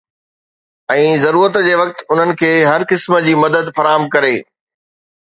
۽ ضرورت جي وقت انهن کي هر قسم جي مدد فراهم ڪري.